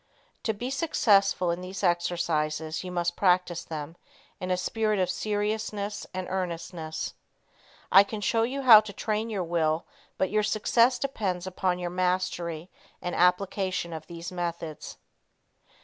To be successful in these exercises you must practice them in a spirit of seriousness and earnestness. I can show you how to train your will, but your success depends upon your mastery and application of these methods.